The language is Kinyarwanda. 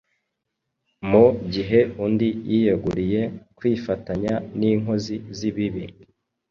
mu gihe undi yiyeguriye kwifatanya n’inkozi z’ibibi.